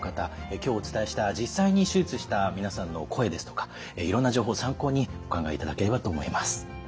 今日お伝えした実際に手術した皆さんの声ですとかいろんな情報参考にお考えいただければと思います。